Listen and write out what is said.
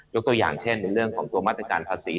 ตัวอย่างเช่นในเรื่องของตัวมาตรการภาษี